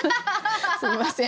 すみません。